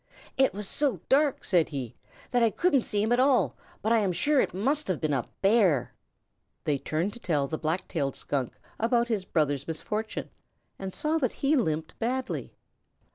"It was so dark," said he, "that I couldn't see him at all, but I am sure it must have been a Bear." They turned to tell the Black tailed Skunk about his brother's misfortune, and saw that he limped badly.